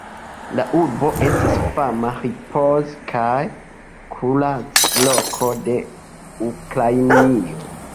La urbo estas fama ripoz- kaj kurac-loko de Ukrainio.